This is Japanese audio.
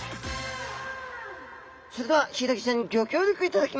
それではヒイラギちゃんにギョ協力いただきます。